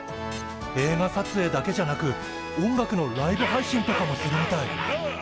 映画さつえいだけじゃなく音楽のライブ配信とかもするみたい。